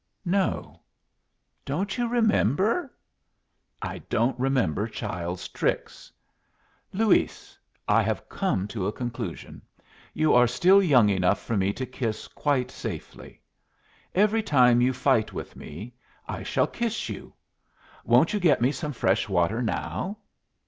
"No." "Don't you remember?" "I don't remember child's tricks." "Luis, I have come to a conclusion. You are still young enough for me to kiss quite safely. Every time you fight with me I shall kiss you. Won't you get me some fresh water now?"